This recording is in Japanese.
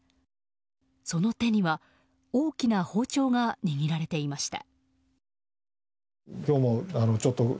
その手には大きな包丁が握られていました。